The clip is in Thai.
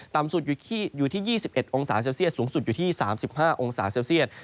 ต่ำสุดอยู่ที่๒๑องศาเซลเซียสสูงสุดอยู่ที่๓๕องศาเซลเซียต